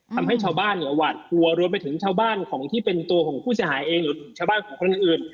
ทำให้ชาวบ้านเนี่ยหวาดกลัวรวมไปถึงชาวบ้านของที่เป็นตัวของผู้เสียหายเองหรือชาวบ้านของคนอื่น